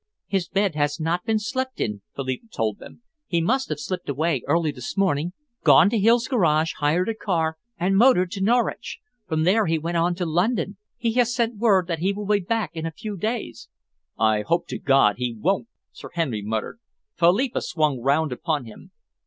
"His bed has not been slept in," Philippa told them. "He must have slipped away early this morning, gone to Hill's Garage, hired a car, and motored to Norwich. From there he went on to London. He has sent word that he will be back in a few days." "I hope to God he won't!" Sir Henry muttered. Philippa swung round upon him.